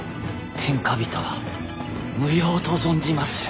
天下人は無用と存じまする。